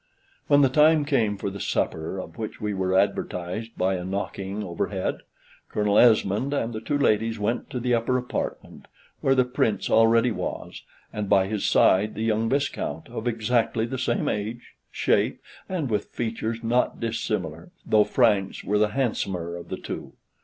When the time came for the supper, of which we were advertised by a knocking overhead, Colonel Esmond and the two ladies went to the upper apartment, where the Prince already was, and by his side the young Viscount, of exactly the same age, shape, and with features not dissimilar, though Frank's were the handsomer of the two.